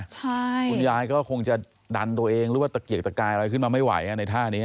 คุณยายก็คงจะดันตัวเองหรือว่าตะเกียกตะกายอะไรขึ้นมาไม่ไหวในท่านี้